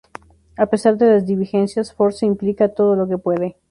A pesar de las divergencias, Ford se implica todo lo que puede.